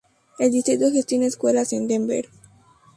El distrito gestiona escuelas en Denver.